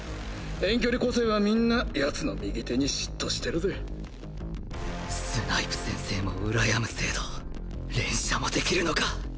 遠距離個性はみんな奴の右手に嫉妬してるぜスナイプ先生も羨む精度連射もできるのか！